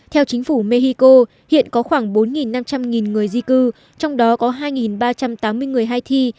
theo chính phủ mexico hiện có khoảng bốn năm trăm linh người di cư trong đó có hai ba trăm tám mươi người haithi